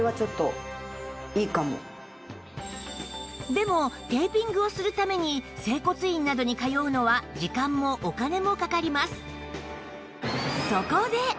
でもテーピングをするために整骨院などに通うのは時間もお金もかかります